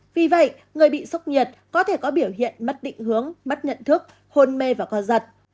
vì vậy người bị sốc nhiệt có thể có biểu hiện mất định hướng mất nhận thức hôn mê và co giật